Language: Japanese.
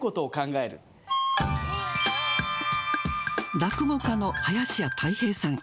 落語家の林家たい平さん。